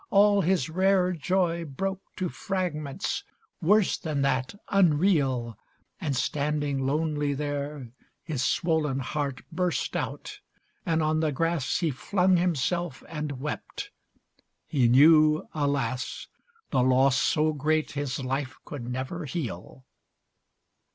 All his rare Joy broke to fragments worse than that, unreal. And standing lonely there, His swollen heart burst out, and on the grass He flung himself and wept. He knew, alas! The loss so great his life could never heal.